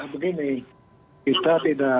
begini kita tidak